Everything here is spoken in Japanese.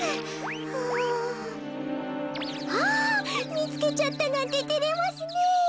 みつけちゃったなんててれますねえ。